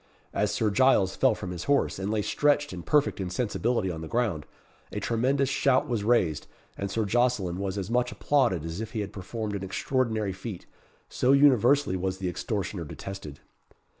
As Sir Giles fell from his horse, and lay stretched in perfect insensibility on the ground, a tremendous shout was raised, and Sir Jocelyn was as much applauded as if he had performed an extraordinary feat so universally was the extortioner detested.